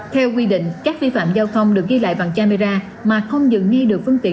theo quy định các vi phạm giao thông được ghi lại bằng camera mà không dừng nghi được phương tiện